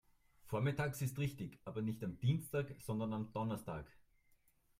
Vormittags ist richtig, aber nicht am Dienstag, sondern am Donnerstag.